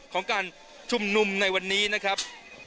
ของการชุมนุมในวันนี้นะครับ